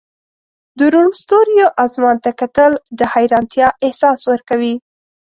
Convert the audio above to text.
د روڼ ستوریو اسمان ته کتل د حیرانتیا احساس ورکوي.